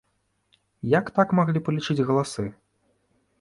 Як так маглі палічыць галасы?